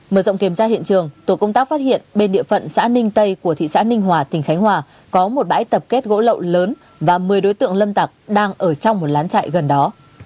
mở rộng kiểm tra hiện trường tổ công tác phát hiện bên địa phận xã ninh tây của thị xã ninh hòa tỉnh khánh hòa có một bãi tập kết gỗ lậu lớn và một mươi đối tượng lâm tặc đang ở trong một lán chạy gần đó